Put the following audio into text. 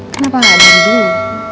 kenapa nggak ada diri dulu